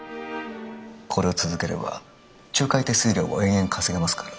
これを続ければ仲介手数料を延々稼げますから。